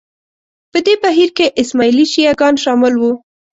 په دې بهیر کې اسماعیلي شیعه ګان شامل وو